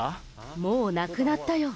もうなくなったよ。